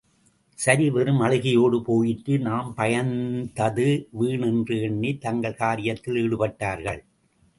சரி, வெறும் அழுகையோடு போயிற்று நாம் பயந்தது வீண் என்று எண்ணித் தங்கள் காரியத்தில் ஈடுபட்டார்கள்.